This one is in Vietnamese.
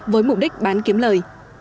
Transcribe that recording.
với mục đích bán kiếm lời